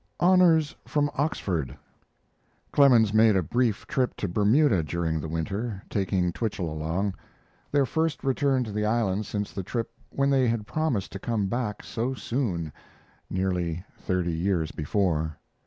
HONORS FROM OXFORD Clemens made a brief trip to Bermuda during the winter, taking Twichell along; their first return to the island since the trip when they had promised to come back so soon nearly thirty years before.